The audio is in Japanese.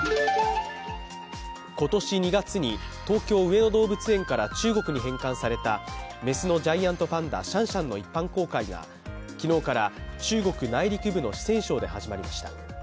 今年２月に東京・上野動物園から中国に返還された雌のジャイアントパンダシャンシャンの一般公開が昨日から中国内陸部の四川省で始まりました。